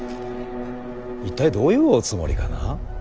一体どういうおつもりかな。